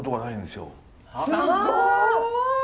すごい！